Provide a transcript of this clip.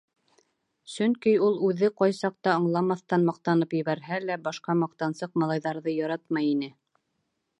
Сөнки ул үҙе, ҡай саҡта аңламаҫтан маҡтанып ебәрһә лә, башҡа маҡтансыҡ малайҙарҙы яратмай ине.